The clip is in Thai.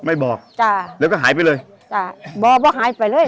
บอกจ้ะแล้วก็หายไปเลยจ้ะบอกว่าหายไปเลย